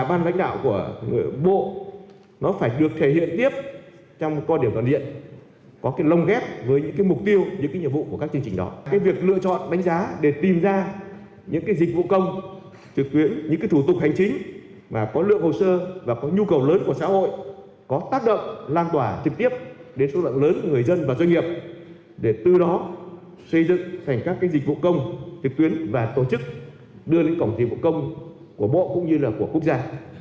bộ cũng chủ động lựa chọn những dịch vụ công thuộc thẩm quyền của bộ có số lượng hồ sơ lớn có tác động trực tiếp người dân doanh nghiệp đưa lên cổng dịch vụ công quốc gia